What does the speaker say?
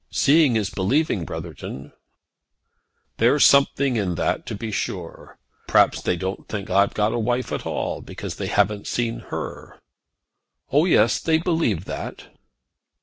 "Seeing is believing, Brotherton." "There's something in that, to be sure. Perhaps they don't think I've got a wife at all, because they haven't seen her." "Oh, yes; they believe that."